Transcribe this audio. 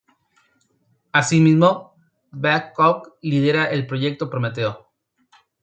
Asimismo, Babcock lidera el proyecto Prometeo.